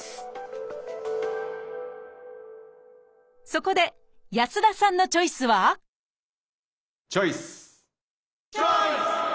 そこで安田さんのチョイスはチョイス！